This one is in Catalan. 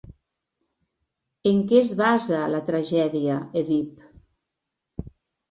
En què es basa la tragèdia Èdip?